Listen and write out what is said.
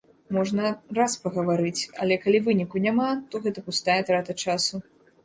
Можна раз пагаварыць, але калі выніку няма, то гэта пустая трата часу.